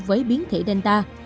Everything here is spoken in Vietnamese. với biến thể delta